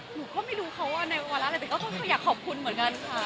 หนูก็ไม่รู้เขาว่าในเวลาอะไรแต่บอกอยากขอบคุณเหมือนกันค่ะ